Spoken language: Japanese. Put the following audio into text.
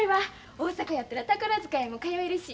大阪やったら宝塚へも通えるし。